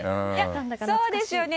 そうですよね。